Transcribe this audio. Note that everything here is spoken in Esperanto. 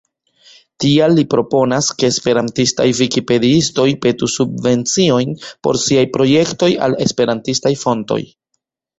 Tial li proponas, ke esperantistaj vikipediistoj petu subvenciojn por siaj projektoj el esperantistaj fontoj.